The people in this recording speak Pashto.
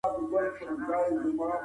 څنګه لیکوالان خپل حقونه ترلاسه کوي؟